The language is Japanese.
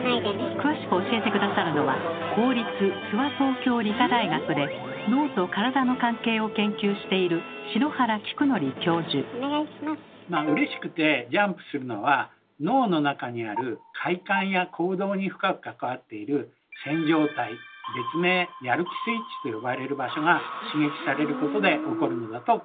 詳しく教えて下さるのは公立諏訪東京理科大学で脳と体の関係を研究しているまあうれしくてジャンプするのは脳の中にある快感や行動に深く関わっている「線条体」別名「やる気スイッチ」と呼ばれる場所が刺激されることで起こるのだと考えられます。